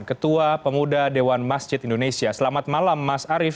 ketua pemuda dewan masjid indonesia selamat malam mas arief